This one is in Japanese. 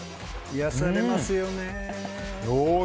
癒やされますよね。